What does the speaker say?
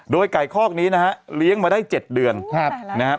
โดยไก่คอกนี้นะฮะเลี้ยงมาได้๗เดือนนะครับ